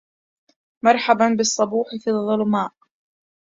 مرحبا بالصبوح في الظلماء